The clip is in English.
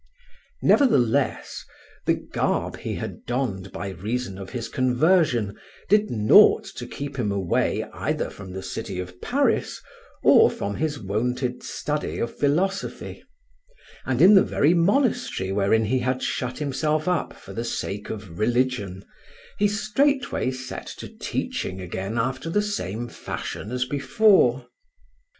Nevertheless, the garb he had donned by reason of his conversion did nought to keep him away either from the city of Paris or from his wonted study of philosophy; and in the very monastery wherein he had shut himself up for the sake of religion he straightway set to teaching again after the same fashion as before.